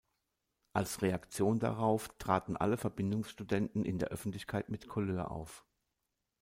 Als Reaktion darauf traten alle Verbindungsstudenten in der Öffentlichkeit mit Couleur auf.